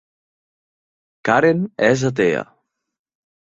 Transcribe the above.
Karen és atea.